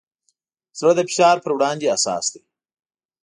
زړه د فشار پر وړاندې حساس دی.